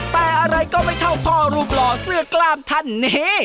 แต่อะไรก็ไม่เท่าพ่อรูปหล่อเสื้อกล้ามท่านนี้